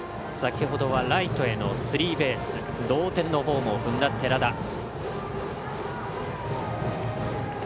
先ほどはライトへのスリーベース同点のホームを踏んだ寺田。